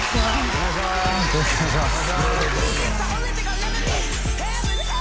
お願いします